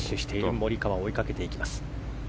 モリカワ、追いかけていきます。